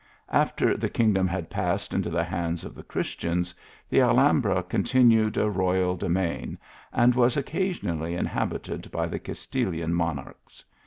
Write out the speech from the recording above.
After the kingdom had passed into the hands of the Christians, the Alhambra con tinued a royal demesne, and was occasionally in habited by the Castilian monarchs.